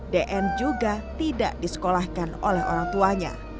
dn juga tidak disekolahkan oleh orang tuanya